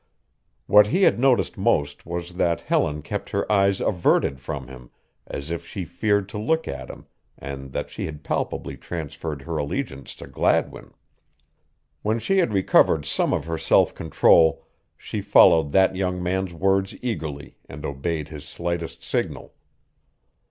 What he had noticed most was that Helen kept her eyes averted from him as if she feared to look at him and that she had palpably transferred her allegiance to Gladwin. When she had recovered some of her self control she followed that young man's words eagerly and obeyed his slightest signal.